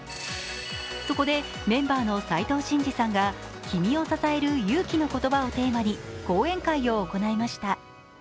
そこでメンバーの斉藤慎二さんが「君を支える勇気の言葉」をテーマに講演会を行いました。